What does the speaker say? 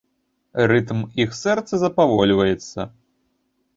Рытм іх сэрца запавольваецца.